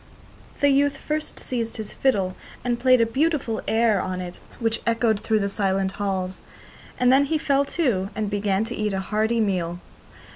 The youth first seized his fiddle and played a beautiful air on it which echoed through the silent halls, and then he fell to and began to eat a hearty meal.